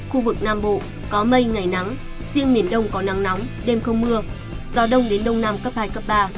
khu vực nam bộ có mây ngày nắng riêng miền đông có nắng nóng đêm không mưa gió đông đến đông nam cấp hai cấp ba